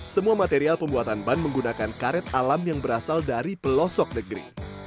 semua material pembuatan ban menggunakan karet alam yang berasal dari pelosok negeri